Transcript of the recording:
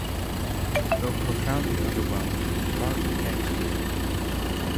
Though profoundly underwhelmed, Bart thanks her.